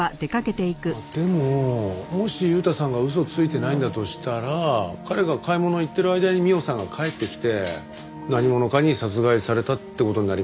まあでももし悠太さんが嘘をついてないんだとしたら彼が買い物に行ってる間に美緒さんが帰ってきて何者かに殺害されたって事になりますよね。